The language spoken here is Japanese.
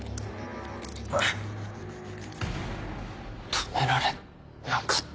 止められなかった。